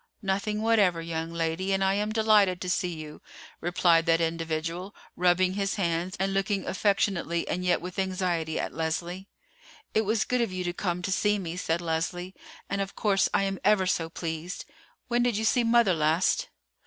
"Nothing whatever, young lady, and I am delighted to see you," replied that individual, rubbing his hands and looking affectionately and yet with anxiety at Leslie. "It was good of you to come to see me," said Leslie, "and of course I am ever so pleased. When did you see mother last?"